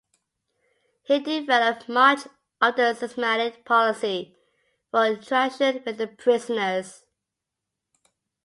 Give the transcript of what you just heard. He developed much of the systematic policy for interaction with the prisoners.